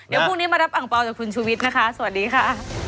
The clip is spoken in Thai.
เดี๋ยวพรุ่งนี้มารับอังเปล่าจากคุณชุวิตนะคะสวัสดีค่ะ